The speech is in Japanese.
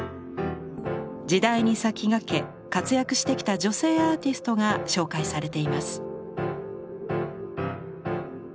時代に先駆け活躍してきた女性アーティストが紹介されています。